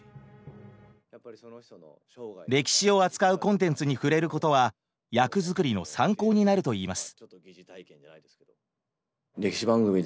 歴史を扱うコンテンツに触れることは役作りの参考になるといいます。